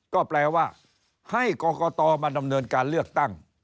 ก็แปลว่าให้กรกตมาดำเนินการเลือกตั้ง